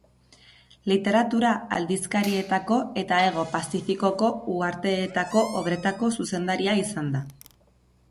Literatura-aldizkarietako eta Hego Pazifikoko uharteetako obretako zuzendaria izan da.